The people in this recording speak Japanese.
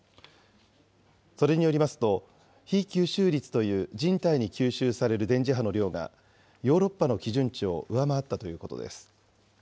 それによりますと、比吸収率という人体に吸収される電磁波の量が、ヨーロッパの基準値を上回ったということです。